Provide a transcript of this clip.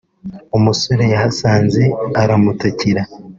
umusore yahasanze aramutakira